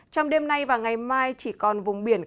trong đêm nay và ngày mai chỉ còn vùng biển